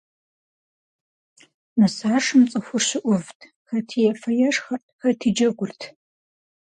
Нысашэм цӀыхур щыӀувт, хэти ефэ-ешхэрт, хэти джэгурт.